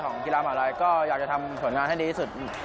กีฬามหาลัยก็อยากจะทำผลงานให้ดีที่สุด